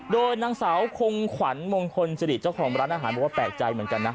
โดยนางสาวคงขวัญมงคลสิริเจ้าของร้านอาหารบอกว่าแปลกใจเหมือนกันนะ